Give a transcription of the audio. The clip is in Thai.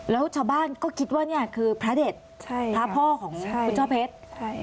แล้วชาวบ้านก็คิดว่านี่คือพระเด็ดพระพ่อของคุณช่อเพชร